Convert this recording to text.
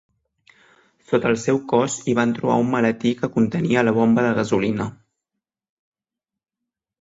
Sota el seu cos hi van trobar un maletí que contenia la bomba de gasolina.